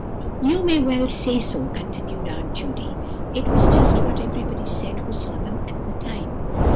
"You may well say so," continued Aunt Judy. "It was just what everybody said who saw them at the time.